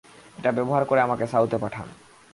এটা ব্যবহার করে আমাকে সাউথে পাঠান।